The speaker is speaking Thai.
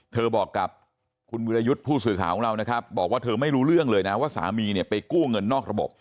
เธอบอกกับคุณวิรยุทธ์ผู้สื่อข่าวของเรานะครับบอกว่าเธอไม่รู้เรื่องเลยนะว่าสามีเนี่ยไปกู้เงินนอกระบบ